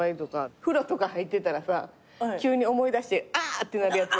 風呂とか入ってたらさ急に思い出してあー！ってなるやつ。